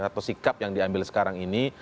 atau sikap yang diambil sekarang ini